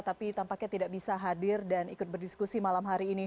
tapi tampaknya tidak bisa hadir dan ikut berdiskusi malam hari ini